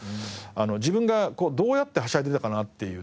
自分がどうやってはしゃいでたかなっていうね。